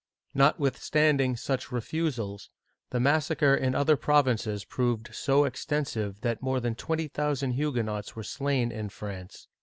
Notwithstanding such refusals, the massacre in other provinces proved so extensive that more than twenty thou sand Huguenots were slain in France.